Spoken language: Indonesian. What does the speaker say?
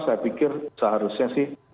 saya pikir seharusnya sih